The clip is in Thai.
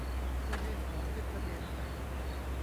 เพื่อยื่นขอขึ้นทะเบียนกับ